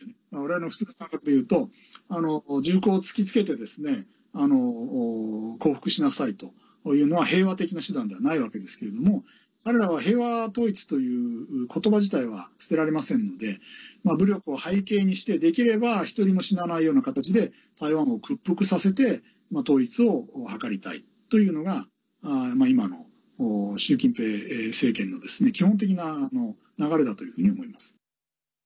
我々の普通の感覚でいうと銃口を突きつけてですね降伏しなさいというのは平和的な手段ではないわけですけれども彼らは平和統一という言葉自体は捨てられませんので武力を背景にして、できれば１人も死なないような形で台湾を屈服させて統一を図りたいというのが今の習近平政権の基本的な流れだというふうに思います。